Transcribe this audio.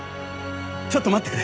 ちょっと待ってくれ。